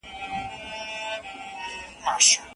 زورور غل په خپل کلي کي غلا نه کوي.